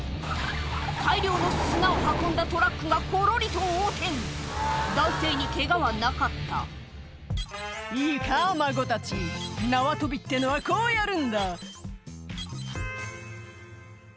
大量の砂を運んだトラックがコロリと横転男性にケガはなかった「いいか孫たち縄跳びってのはこうやるんだ」